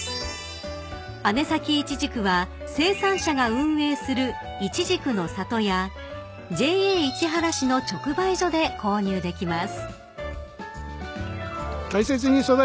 ［姉崎いちじくは生産者が運営する無花果の里やＪＡ市原市の直売所で購入できます］